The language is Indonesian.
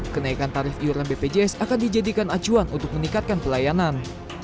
kenaikan tarif iuran bpjs akan dijadikan acuan untuk meningkatkan pelayanan